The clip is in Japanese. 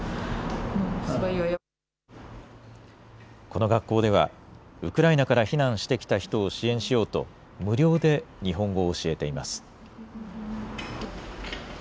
この学校では、ウクライナから避難してきた人を支援しようと、無料で日本語を教えています。